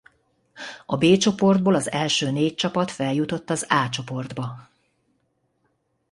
A B csoportból az első négy csapat feljutott az A csoportba.